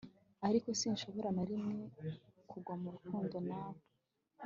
ariko sinshobora na rimwe kugwa mu rukundo nawe